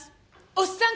おっさん